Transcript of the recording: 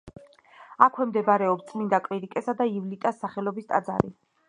აქვე მდებარეობს წმინდა კვირიკესა და ივლიტას სახელობის ტაძარი.